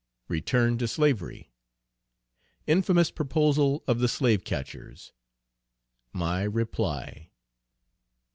Return to slavery. Infamous proposal of the slave catchers. My reply.